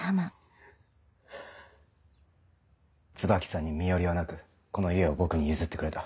椿さんに身寄りはなくこの家を僕に譲ってくれた。